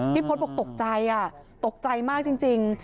พี่พศบอกตกใจอ่ะตกใจมากจริงจริง